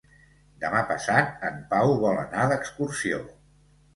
Demà passat en Pau vol anar d'excursió.